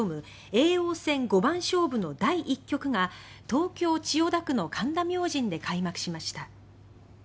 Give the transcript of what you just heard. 叡王戦五番勝負の第１局が東京・千代田区の神田明神で開幕しました。